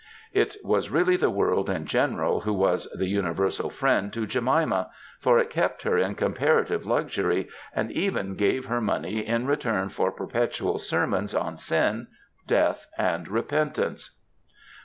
^ It was really the world in general who was the Universal Friend to Jemima, for it kept her in comparative luxury, and even gave her money in return for perpetual sermons on sin, death, and repentance.